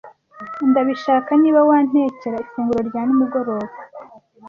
Ndabishaka niba wantekera ifunguro rya nimugoroba.